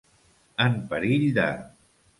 En perill de.